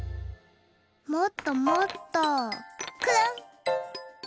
もっともっとくるん。